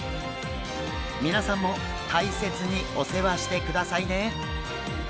皆さんも大切にお世話してくださいね！